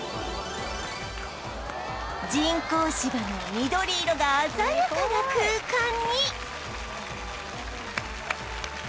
人工芝の緑色が鮮やかな空間に！